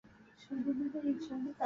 রানু ভেতরে ঢুকে জানালার পর্দা ফেলে দিল।